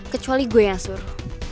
kecuali gue yang suruh